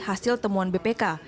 hasil temuan bpk